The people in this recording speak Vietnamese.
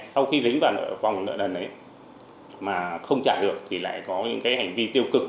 sau khi dính vào vòng nợ lần mà không trả được thì lại có những hành vi tiêu cực